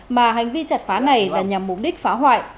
mà hành vi chặt phá này là nhằm mục đích phá hoại